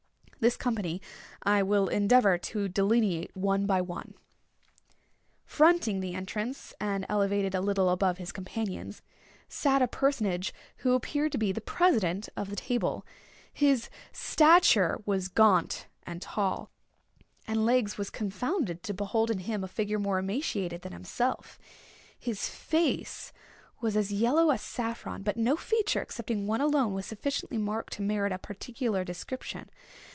This company I will endeavor to delineate one by one. Fronting the entrance, and elevated a little above his companions, sat a personage who appeared to be the president of the table. His stature was gaunt and tall, and Legs was confounded to behold in him a figure more emaciated than himself. His face was as yellow as saffron—but no feature excepting one alone, was sufficiently marked to merit a particular description.